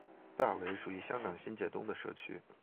大围属于香港新界东的社区。